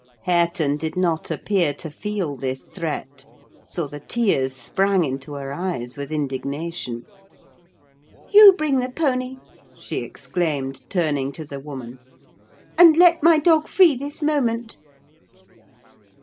Hareton did not appear to feel this threat; so the tears sprang into her eyes with indignation. "You bring the pony," she exclaimed, turning to the woman, "and let my dog free this moment!"